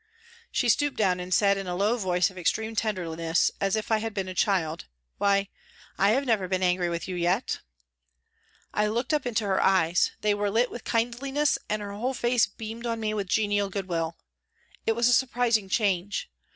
She stooped down and said in a low voice of extreme tenderness as if I had been a child :" Why, I have never been angry with you yet." I looked up into her eyes. They were lit with kindliness and her whole face beamed on me with genial goodwill. It was a surprising change.